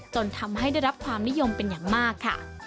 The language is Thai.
จนทำให้ได้รับความนิยมเป็นอย่างมากค่ะ